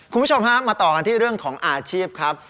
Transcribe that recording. คุณผู้ชมฮะมาต่อกันที่เรื่องของอาชีพครับ